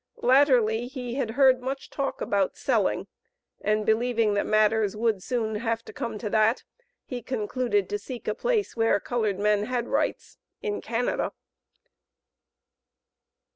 Latterly he had heard much talk about selling, and, believing that matters would soon have to come to that, he concluded to seek a place where colored men had rights, in Canada.